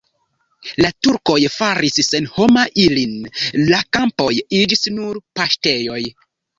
La turkoj faris senhoma ilin, la kampoj iĝis nur paŝtejoj.